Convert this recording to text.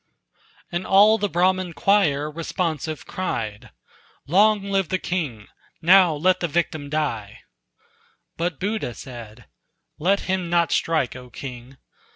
And all the Brahman choir responsive cried: "Long live the king! now let the victim die!" But Buddha said: "Let him not strike, O king!